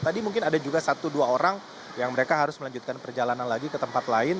tadi mungkin ada juga satu dua orang yang mereka harus melanjutkan perjalanan lagi ke tempat lain